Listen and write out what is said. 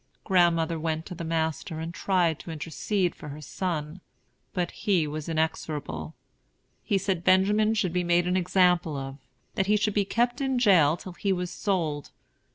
Grandmother went to the master and tried to intercede for her son. But he was inexorable. He said Benjamin should be made an example of. That he should be kept in jail till he was sold.